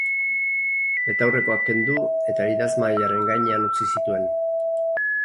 Betaurrekoak kendu eta idazmahaiaren gainean utzi zituen.